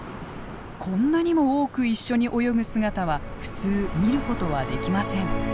こんなにも多く一緒に泳ぐ姿は普通見ることはできません。